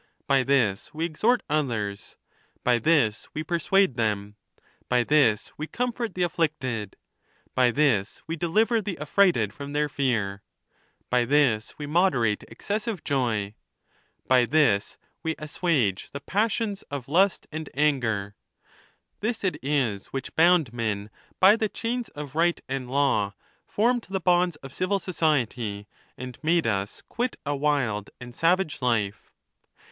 By this we exhort others ; by this we persuade them ; by this we comfort the afflicted ; by this we de liver the affrighted from their fear; by this we moderate excessive joy; by this we assuage the passions of lust and anger. This it is which bound men by the chains of right and law, formed the bonds of civil society, and made us quit a wild and savage life.